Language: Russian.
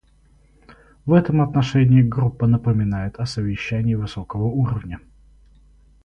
В этом отношении Группа напоминает о совещании высокого уровня.